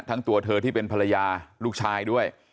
ตัวเธอที่เป็นภรรยาลูกชายด้วย